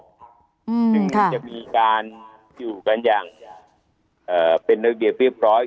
คือจะมีการอยู่กันอย่างเป็นรายละเอียดเรียบพร้อม